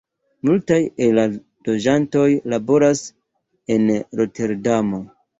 Multaj el la loĝantoj laboras en Roterdamo.